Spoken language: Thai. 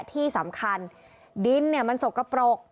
ที่สำคัญดินมันสกปรก